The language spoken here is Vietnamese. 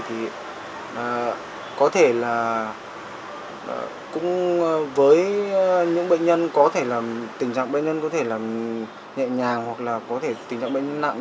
thì có thể là cũng với những bệnh nhân có thể là tình trạng bệnh nhân có thể là nhẹ nhàng hoặc là có thể tình trạng bệnh nhân nặng